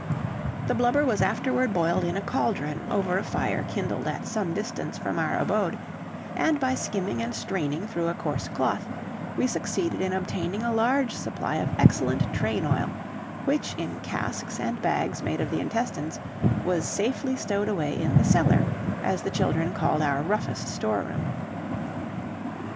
The blubber was afterward boiled in a cauldron over a fire kindled at some distance from our abode, and by skimming and straining through a coarse cloth, we succeeded in obtaining a large supply of excellent train oil, which in casks, and bags made of the intestines, was safely stowed away in the "cellar," as the children called our roughest storeroom.